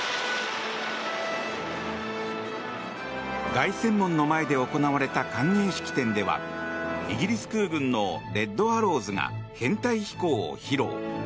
凱旋門の前で行われた歓迎式典ではイギリス空軍のレッド・アローズが編隊飛行を披露。